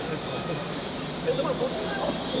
まだ途中だよ。